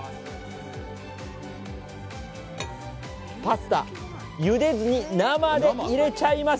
パスタ、ゆでずに生で入れちゃいます。